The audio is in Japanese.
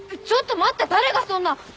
ちょっと待って誰がそんな。